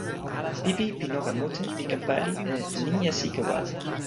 pipi pi noka mute li ken pali e linja sike walo.